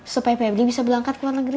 supaya pep gue bisa berangkat ke luar negeri